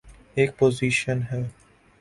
ایک پوزیشن ہے۔